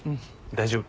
大丈夫。